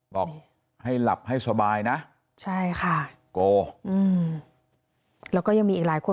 บอกให้หลับให้สบายนะใช่ค่ะโกอืมแล้วก็ยังมีอีกหลายคน